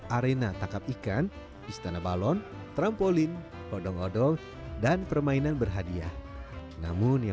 arena takap ikan istana balon trampolin kodong kodong dan permainan berhadiah namun yang